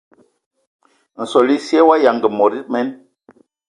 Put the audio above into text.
Nsol esye wa yanga mod emen.